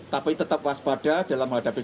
tapi tetap waspada dalam hadapi covid sembilan belas